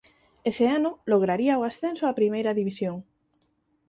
Ese ano lograría o ascenso a Primeira División.